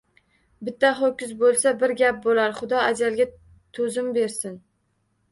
Bitta ho‘kiz bo‘lsa bir gap bo‘lar, xudo ajalga to‘zim bersin